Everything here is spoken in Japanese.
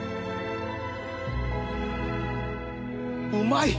うまい！